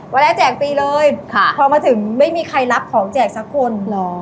วันแรกแจกฟรีเลยพอมาถึงไม่มีใครรับของแจกสักคนเหรอ